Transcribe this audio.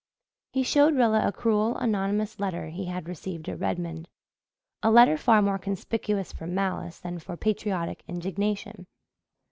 He showed Rilla a cruel, anonymous letter he had received at Redmond a letter far more conspicuous for malice than for patriotic indignation.